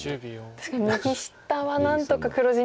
確かに右下は何とか黒地に。